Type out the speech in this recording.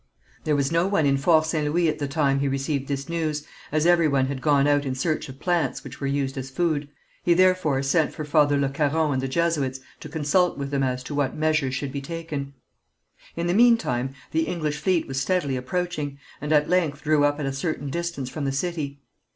There was no one in Fort St. Louis at the time he received this news, as every one had gone out in search of plants which were used as food; he therefore sent for Father Le Caron and the Jesuits to consult with them as to what measures should be taken. In the meantime the English fleet was steadily approaching, and at length drew up at a certain distance from the city.